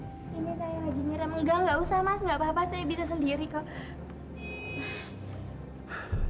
ini saya lagi nyerempel nggak nggak usah mas nggak apa apa saya bisa sendiri kok